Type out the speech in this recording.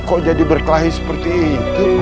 kok jadi berkelahi seperti itu